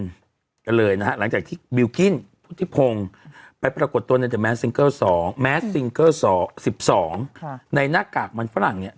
กันเลยนะฮะหลังจากที่บิลกิ้นพุทธิพงไปปรากฏตัวในสองสิบสองค่ะในหน้ากากมันฝรั่งเนี้ย